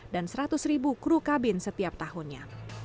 dan seratus kru kabin setiap tahunnya